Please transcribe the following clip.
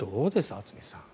渥美さん。